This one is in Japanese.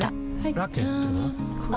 ラケットは？